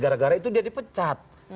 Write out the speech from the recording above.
gara gara itu dia dipecat